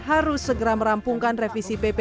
harus segera merampungkan revisi pp